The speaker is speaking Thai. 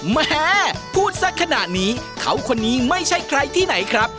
แม่พูดสักขนาดนี้เขาคนนี้ไม่ใช่ใครที่ไหนครับ